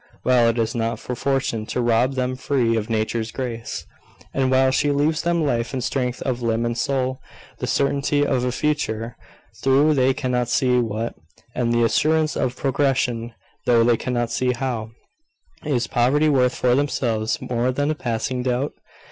While it is not for fortune to "rob them of free nature's grace," and while she leaves them life and strength of limb and soul, the certainty of a future, though they cannot see what, and the assurance of progression, though they cannot see how, is poverty worth, for themselves, more than a passing doubt?